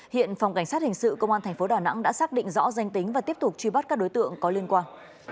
hiện phòng cảnh sát hình sự công an tp đà nẵng đã xác định rõ danh tính và tiếp tục truy bắt các đối tượng có liên quan